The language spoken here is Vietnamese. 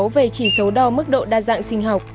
về chỉ số đo mức độ đa dạng sinh học